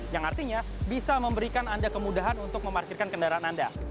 yang artinya bisa memberikan anda kemudahan untuk memarkirkan kendaraan anda